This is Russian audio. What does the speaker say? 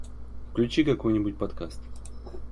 Включи какой-нибудь подкаст